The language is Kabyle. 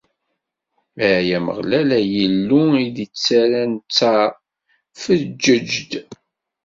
Ay Ameɣlal, ay Illu i d-ittarran ttar, feǧǧeǧ-d!